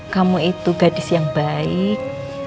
kamu itu gadis yang baik